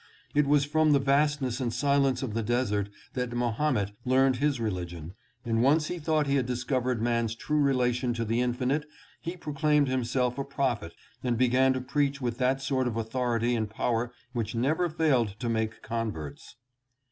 It was from the vastness and silence of the desert that Ma homet learned his religion, and once he thought he had discovered man's true relation to the Infinite he pro claimed himself a prophet and began to preach with that sort of authority and power which never failed to make converts.